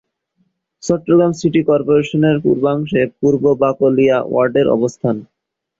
Chittagong city কর্পোরেশনের পূর্বাংশে পূর্ব বাকলিয়া ওয়ার্ডের অবস্থান।